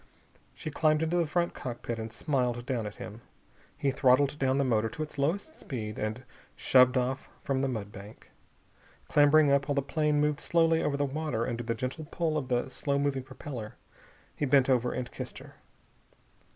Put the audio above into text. She climbed into the front cockpit and smiled down at him. He throttled down the motor to its lowest speed and shoved off from the mud bank. Clambering up, while the plane moved slowly over the water under the gentle pull of the slow moving propeller, he bent over and kissed her.